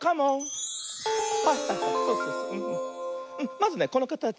まずねこのかたち